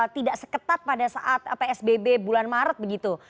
tidak seketat pada saat psbb bulan maret begitu